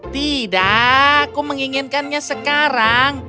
tidak aku menginginkannya sekarang